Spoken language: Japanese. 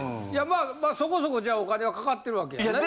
まあそこそこじゃあお金はかかってるわけやね？